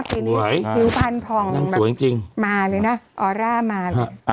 สวยดิวพันธ์พองมาเลยนะออร่ามาเลย